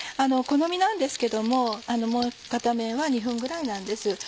好みなんですけどももう片面は２分ぐらいなんです。